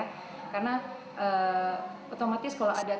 karena otomatis kalau saya menjelaskan dari dua sisi saya menjelaskan dari dua sisi